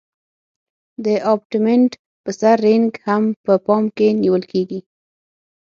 د ابټمنټ په سر رینګ هم په پام کې نیول کیږي